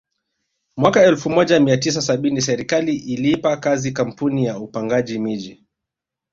Mwaka elfu moja mia tisa sabini serikali iliipa kazi kampuni ya upangaji miji